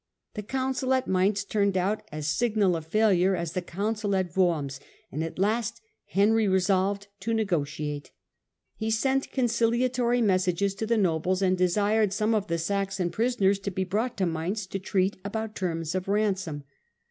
The council at Mainz turned out as signal a failure as the council at * Worms, and at last Henry resolved to negotiate ; he sent conciliatory messages to the nobles, and desired some of the Saxon prisoners to be brought to Mainz to treat about terms of ransom.